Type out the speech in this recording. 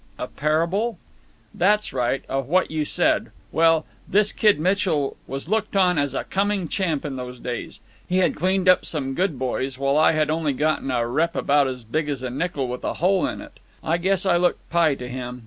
"A parable?" "That's right. A—what you said. Well, this Kid Mitchell was looked on as a coming champ in those days. He had cleaned up some good boys, while I had only gotten a rep about as big as a nickel with a hole in it. I guess I looked pie to him.